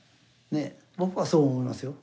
僕はそう思いますよ。